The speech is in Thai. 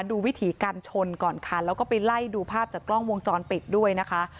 วิถีการชนก่อนค่ะแล้วก็ไปไล่ดูภาพจากกล้องวงจรปิดด้วยนะคะ